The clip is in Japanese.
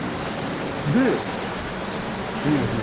でいいですね。